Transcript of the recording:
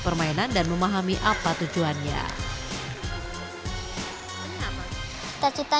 permainan dan memahami apa tujuannya takut tanya jadi ini pemain dunia pendidikan di klub ini adalah